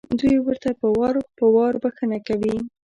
دوی ورته وار په وار بښنه کوي.